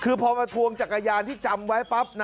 คือพอมาทวงจักรยานที่จำไว้ปั๊บ